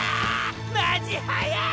マジはや！